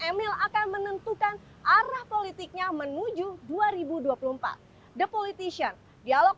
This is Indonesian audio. emil akan menentukan arah politiknya menuju dua ribu dua puluh empat the politician dialog